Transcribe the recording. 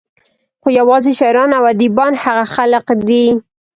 خو يوازې شاعران او اديبان هغه خلق دي